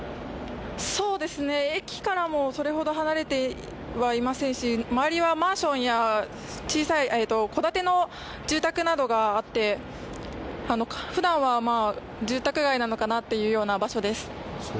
駅からもそれほど離れてはいませんし、周りはマンションや戸建ての住宅などがあってふだんは、住宅街なのかなというような場所です。